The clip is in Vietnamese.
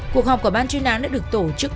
cuộc họp của ban chuyên án đã được tổ chức